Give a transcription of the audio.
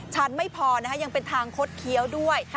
ชั้นไม่พอนะคะยังเป็นทางคดเคี้ยวด้วย